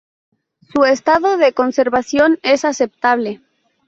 Su estado de conservación es aceptable.